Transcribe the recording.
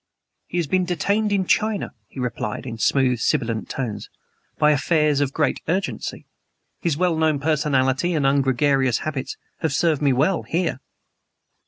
"He has been detained in China," he replied, in smooth, sibilant tones "by affairs of great urgency. His well known personality and ungregarious habits have served me well, here!"